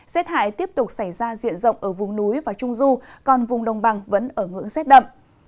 rết hại tiếp tục xảy ra diện rộng ở vùng núi và trung du còn vùng đồng bằng vẫn ở ngưỡng rét đậm